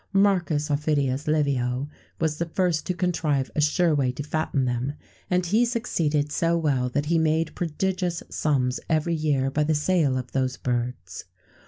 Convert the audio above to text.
[XVII 125] Marcus Aufidius Livio was the first to contrive a sure way to fatten them;[XVII 126] and he succeeded so well that he made prodigious sums every year by the sale of those birds.